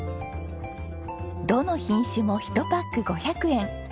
どの品種も１パック５００円！